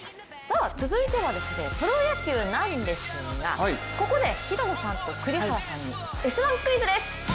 続いてはプロ野球なんですがここで平野さんと栗原さんに「Ｓ☆１Ｑｕｉｚ」です！